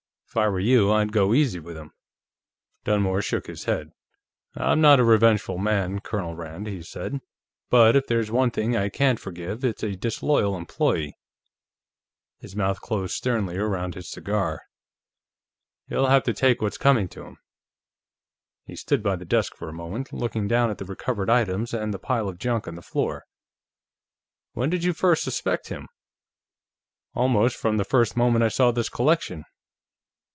If I were you, I'd go easy with him." Dunmore shook his head. "I'm not a revengeful man, Colonel Rand," he said, "but if there's one thing I can't forgive, it's a disloyal employee." His mouth closed sternly around his cigar. "He'll have to take what's coming to him." He stood by the desk for a moment, looking down at the recovered items and the pile of junk on the floor. "When did you first suspect him?" "Almost from the first moment I saw this collection."